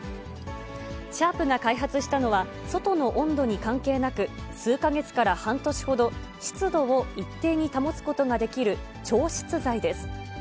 シャープが開発したのは、外の温度に関係なく、数か月から半年ほど、湿度を一定に保つことができる調湿材です。